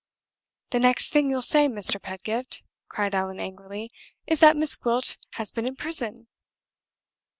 "The next thing you'll say, Mr. Pedgift," cried Allan, angrily, "is that Miss Gwilt has been in prison!"